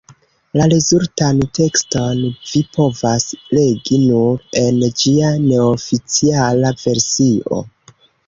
La rezultan tekston vi povas legi nur en ĝia neoficiala versio.